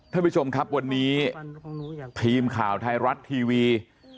ท่านผู้ชมครับวันนี้ทีมข่าวไทยรัฐทีวี